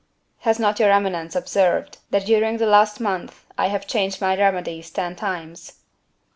"Has not your eminence observed, that during the last month I have changed my remedies ten times?"